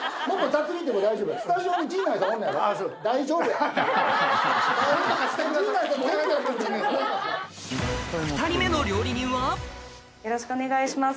よろしくお願いします。